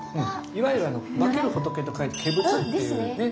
いわゆる化ける仏と書いて化仏っていうね。